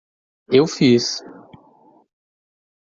Eu fiz